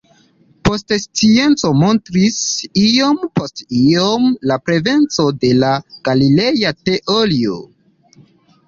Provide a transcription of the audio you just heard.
Poste scienco montris iom post iom la pravecon de la Galileja teorio.